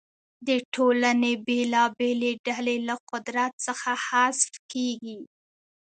د ټولنې بېلابېلې ډلې له قدرت څخه حذف کیږي.